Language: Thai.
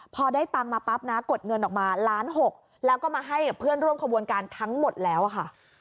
พอได้ตังค์มาปั๊บนะกดเงินออกมาล้านหกแล้วก็มาให้กับเพื่อนร่วมขบวนการทั้งหมดแล้วค่ะ